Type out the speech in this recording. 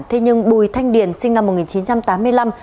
thế nhưng bùi thanh điển sinh năm một nghìn chín trăm tám mươi năm